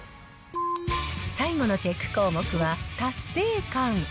最後のチェック項目は達成感。